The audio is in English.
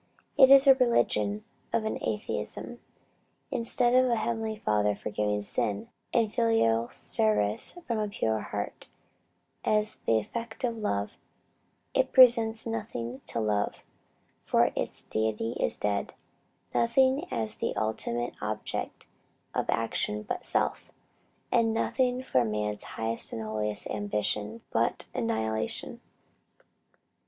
It is a religion of Atheism. Instead of a Heavenly Father forgiving sin, and filial service from a pure heart, as the effect of love it presents nothing to love, for its Deity is dead; nothing as the ultimate object of action but self; and nothing for man's highest and holiest ambition but annihilation."